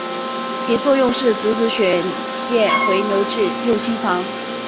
其作用是阻止血液回流至右心房。